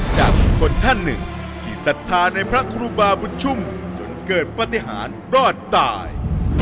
จากบุคคลท่านหนึ่งที่ศรัทธาในพระครูบาบุญชุ่มจนเกิดปฏิหารรอดตาย